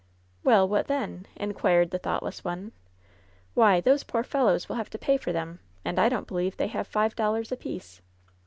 "Well, what then ?" inquired the thoughtless one. "Why, those poor fellows will have to pay for them, and I don't believe they have five dollars apiece."